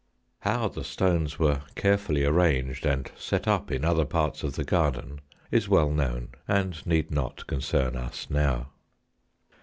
How the stones were carefully ar ranged, and set up in other parts of the garden, is well known, and need not concern us now.